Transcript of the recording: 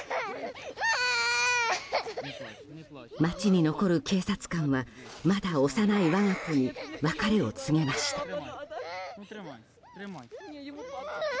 町に残る警察官は、まだ幼い我が子に別れを告げました。